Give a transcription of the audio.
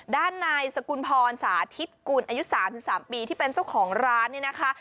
ด้านนายสกุลพรสาธิตกุลอายุ๓๓ปีที่เป็นเจ้าของร้านเนี่ยนะคะ